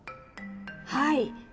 はい。